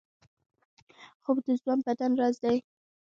خوب د ځوان بدن راز دی